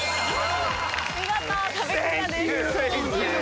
見事壁クリアです。